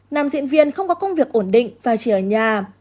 nam diễn viên không có công việc ổn định và chỉ ở nhà